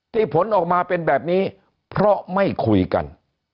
ผลออกมาเป็นแบบนี้เพราะไม่คุยกัน